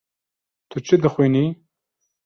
Tu çi dixwînî?